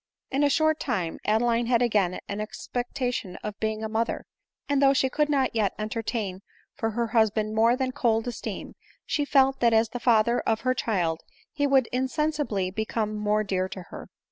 In a short time Adeline had again an expectation of being a mother ; and though she could not yet entertain for her husband more than cold esteem, she felt that as the father of her child he would insensibly become more dear to her.